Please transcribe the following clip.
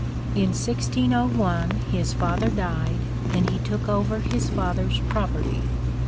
In 1601 his father died and he took over his father's property.